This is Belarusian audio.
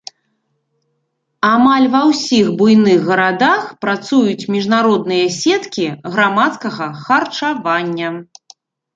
Амаль ва ўсіх буйных гарадах працуюць міжнародныя сеткі грамадскага харчавання.